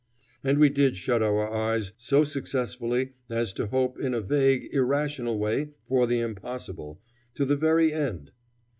And we did shut our eyes so successfully as to hope in a vague, irrational way, for the impossible, to the very end.